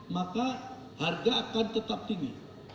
maka harga akan tetap tinggi